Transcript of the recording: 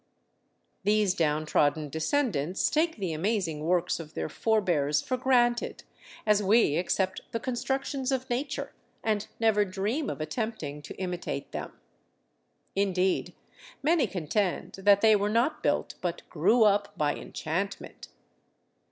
These downtrodden descendants take the amazing works of their forebears for granted, as we accept the constructions of nature, and never dream of attempting to imitate them. Indeed, many contend that they were not built, but grew up by enchantment.